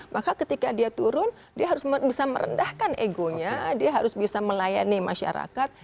maka ketika dia turun dia harus bisa merendahkan egonya dia harus bisa melayani masyarakat